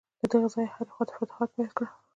له دغه ځایه یې هرې خواته فتوحات پیل کړل.